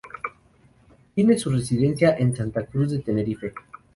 Tiene su residencia en Santa Cruz de Tenerife.